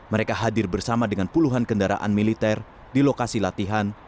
mereka hadir bersama dengan puluhan kendaraan militer di lokasi latihan